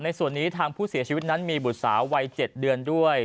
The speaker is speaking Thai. ส่วนนี้ทางผู้เสียชีวิตนั้นมีบุตรสาววัย๗เดือนด้วย